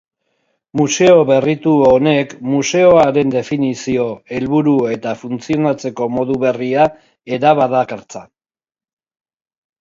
Museo berritu honek museoaren definizio, helburu eta funtzionatzeko modu berria era badakartza.